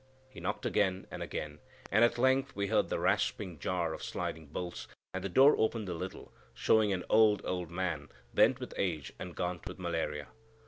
He knocked again and again, and at length we heard the rasping jar of sliding bolts, and the door opened a little, showing an old, old man, bent with age and gaunt with malaria.